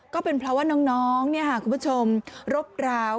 ก็เป็นเพราะว่าน้องคุณผู้ชมรบราว